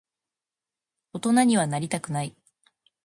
大人にはなりたくない。